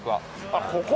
あっここ！